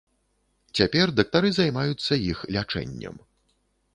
Цяпер дактары займаюцца іх лячэннем.